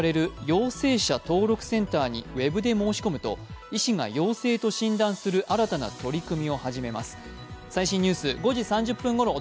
陽性者登録センターにウェブで申し込むと医師が陽性と診断する新たな取り組みを始めます。